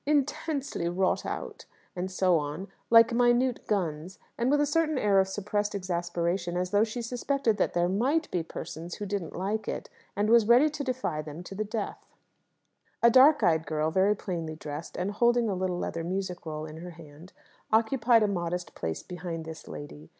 "Intensely wrought out," and so on like minute guns; and with a certain air of suppressed exasperation, as though she suspected that there might be persons who didn't like it, and was ready to defy them to the death. A dark eyed girl, very plainly dressed, and holding a little leather music roll in her hand, occupied a modest place behind this lady.